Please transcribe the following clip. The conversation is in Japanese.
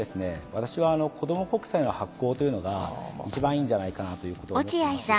私は子供国債の発行というのが一番いいんじゃないかなということを思っています。